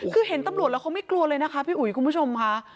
คือเห็นตำรวจแล้วเขาไม่กลัวเลยนะคะพี่อุ๋ยคุณผู้ชมค่ะ